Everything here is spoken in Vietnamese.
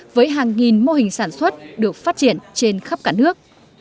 với hàng nghìn mô hình sản xuất được phát triển trên khắp cả nước